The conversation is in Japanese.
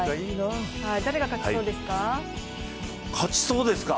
誰が勝ちそうですか？